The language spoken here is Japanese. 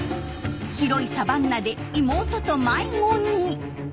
広いサバンナで妹と迷子に。